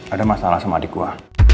ada masalah sama adik gue